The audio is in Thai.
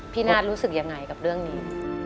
นาทรู้สึกยังไงกับเรื่องนี้